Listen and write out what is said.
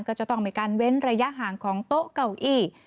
ก็จะต้องมีการเว้นระยะห่างของโต๊ะเก้าอี้